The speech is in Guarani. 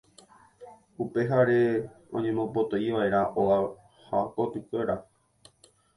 upeháre oñemopotĩva'erã óga ha kotykuéra